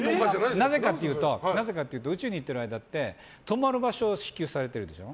なぜかというと宇宙に行ってる間って泊まる場所は支給されてるでしょ。